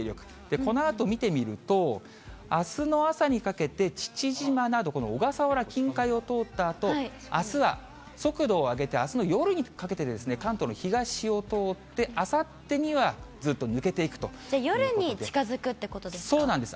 このあと見てみると、あすの朝にかけて父島など、この小笠原近海を通ったあと、あすは速度を上げて、あすの夜にかけて、関東の東を通って、夜に近づくということですか。